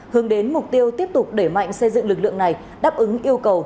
hướng đến mục tiêu tiếp tục đẩy mạnh xây dựng lực lượng này đáp ứng yêu cầu